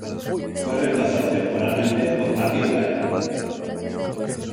Fue reemplazado temporalmente por Marty O'Brien.